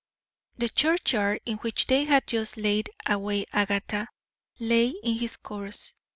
The churchyard in which they had just laid away Agatha lay in his course.